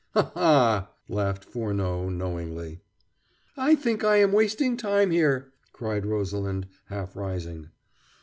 "Ha! ha!" laughed Furneaux knowingly. "I think I am wasting time here," cried Rosalind, half rising.